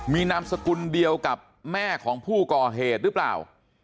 มีนามสกุลเดียวกับแม่ของผู้ก่อเหตุหรือเปล่า